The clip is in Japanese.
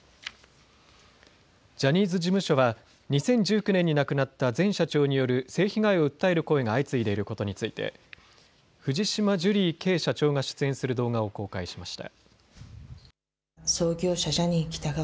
ジャニーズ事務所は２０１９年に亡くなった前社長による性被害を訴える声が相次いでいることについて藤島ジュリーＫ．社長が出演する動画を公開しました。